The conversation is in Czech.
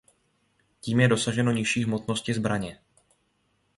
Tím je dosaženo nižší hmotnosti zbraně.